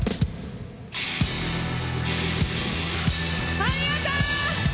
ありがとう！